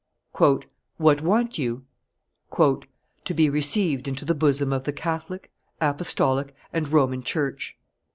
"What want you?" "To be received into the bosom of the Catholic, Apostolic, and Roman Church."